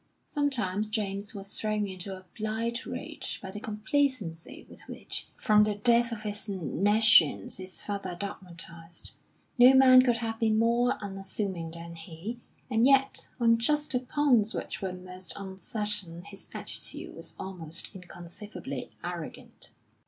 Sometimes James was thrown into a blind rage by the complacency with which from the depths of his nescience his father dogmatised. No man could have been more unassuming than he, and yet on just the points which were most uncertain his attitude was almost inconceivably arrogant.